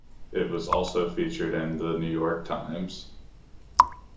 It also was featured in the "New York Times".